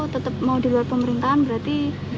tetap mau di luar pemerintahan berarti